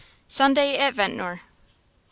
Sunday at Ventnor. Mr.